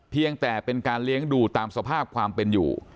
เพียงแต่เป็นการเลี้ยงดูตามสภาพความเป็นอยู่